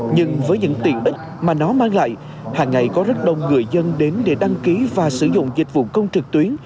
nhưng với những tiện ích mà nó mang lại hàng ngày có rất đông người dân đến để đăng ký và sử dụng dịch vụ công trực tuyến